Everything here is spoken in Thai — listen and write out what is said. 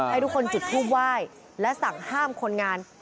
ให้ทุกคนจุดทูปไหว้และสั่งห้ามคนงาน